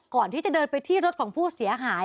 ก่อนที่จะเดินไปที่รถของผู้เสียหาย